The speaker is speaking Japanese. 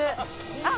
あっ！」